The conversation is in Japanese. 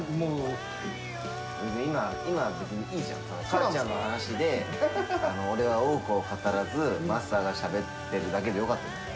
母ちゃんの話で俺は多くを語らずマスターがしゃべってるだけでよかったじゃん。